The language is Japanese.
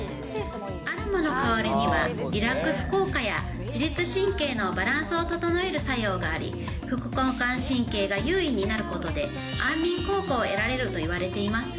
アロマの香りには、リラックス効果や自律神経のバランスを整える作用があり、副交感神経が優位になることで、安眠効果を得られるといわれています。